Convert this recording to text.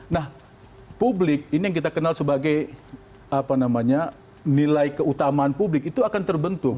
nah publik ini yang kita kenal sebagai nilai keutamaan publik itu akan terbentuk